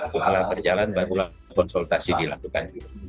setelah berjalan barulah konsultasi dilakukan